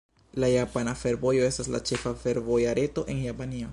La Japana Fervojo estas la ĉefa fervoja reto en Japanio.